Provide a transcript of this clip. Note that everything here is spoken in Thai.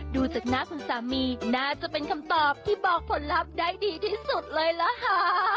ดูจากหน้าคุณสามีน่าจะเป็นคำตอบที่บอกผลลัพธ์ได้ดีที่สุดเลยล่ะค่ะ